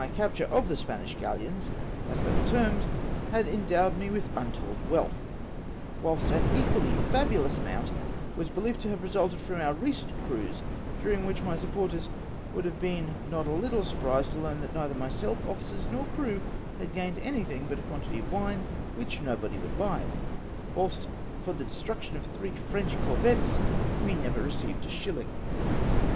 203 capture of the Spanish galleons — as they were termed — had endowed me with untold wealth ; whilst an equally fabulous amount was believed to have resulted from our recent cruise, dming wliich my supporters woidd have been not a little surprised to learn that neither myself, officers, nor crew, had gained anything but a quantity of wine, which nobody would buy ; whilst for the destruction of three French corvettes we never received a shilhng